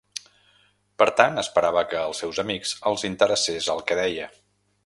Per tant, esperava que als seus amics els interessés el que deia.